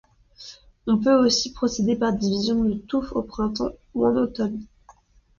On peut aussi procéder par division de touffes au printemps ou en automne.